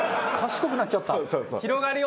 賢くなっちゃった。